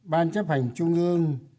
ban chấp hành trung ương